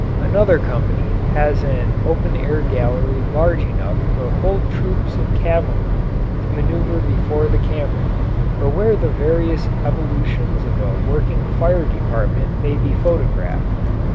Another company has an open air gallery large enough for whole troops of cavalry to maneuver before the camera, or where the various evolutions of a working fire department may be photographed.